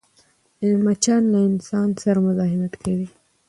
مچان له انسان سره مزاحمت کوي